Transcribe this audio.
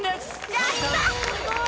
やった！